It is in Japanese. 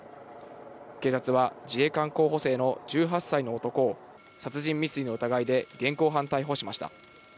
警察は、自衛官候補生の１８歳の男を、殺人未遂の疑いで現行犯逮捕しました。